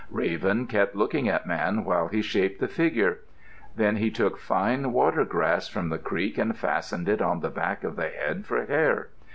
Raven kept looking at Man while he shaped the figure. Then he took fine water grass from the creek and fastened it on the back of the head for hair.